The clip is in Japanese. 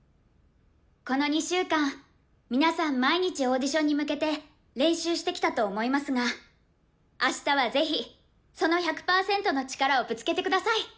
この２週間皆さん毎日オーディションに向けて練習してきたと思いますがあしたはぜひその１００パーセントの力をぶつけてください。